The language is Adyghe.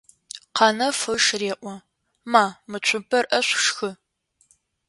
Къанэф ыш реӏо: «Ма, мы цумпэр ӏэшӏу, шхы!».